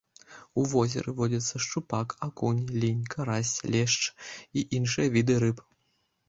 У возеры водзяцца шчупак, акунь, лінь, карась, лешч і іншыя віды рыб.